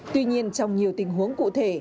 tuy nhiên trong nhiều tình huống cụ thể